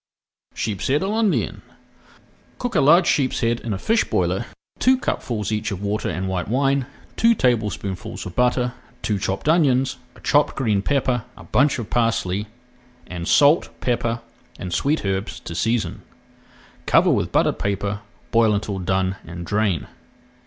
SHEEP SHEAD À L'INDIENNE Cook a large sheepshead in a fish boiler with two cupfuls each of water and white wine, two tablespoonfuls of butter, two chopped onions, a chopped green pepper, a bunch of parsley, and salt, pepper, and sweet herbs to season. Cover with buttered paper, boil until done and drain.